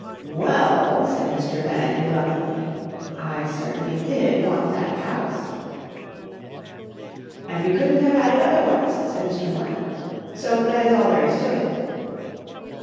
"Well," said Mr. Bennett reluctantly, "I certainly did want that house...." "And we couldn't have had it otherwise," said Mr. Mortimer, "so that is all there is to it."